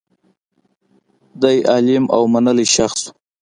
دی عالم او منلی شخص و.